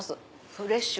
フレッシュ！